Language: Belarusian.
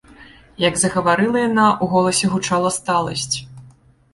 Як загаварыла яна, у голасе гучала сталасць.